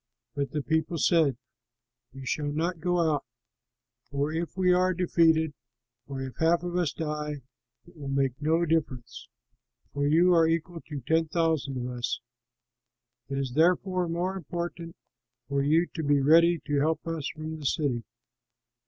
But the people said, "You shall not go out; for if we are defeated, or if half of us die, it will make no difference, for you are equal to ten thousand of us. It is therefore more important for you to be ready to help us from the city."